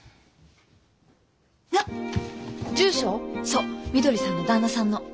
みどりさんの旦那さんの。